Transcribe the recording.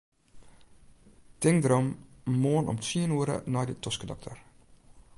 Tink derom, moarn om tsien oere nei de toskedokter.